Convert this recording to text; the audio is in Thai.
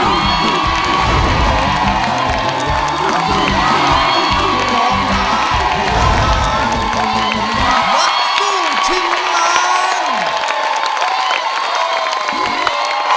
สวัสดีครับคุณผู้ชม